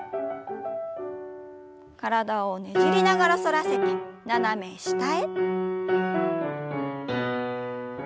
体をねじりながら反らせて斜め下へ。